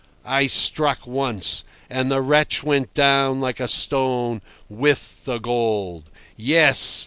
"I struck once, and the wretch went down like a stone—with the gold. Yes.